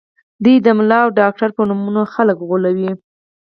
دوی د ملا او ډاکټر په نومونو خلک غولوي